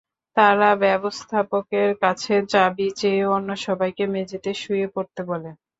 তারা ব্যবস্থাপকের কাছে চাবি চেয়ে অন্য সবাইকে মেঝেতে শুয়ে পড়তে বলে।